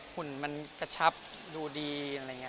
ขุนมันกระชับดูดี